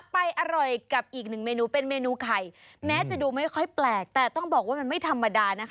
ไปอร่อยกับอีกหนึ่งเมนูเป็นเมนูไข่แม้จะดูไม่ค่อยแปลกแต่ต้องบอกว่ามันไม่ธรรมดานะคะ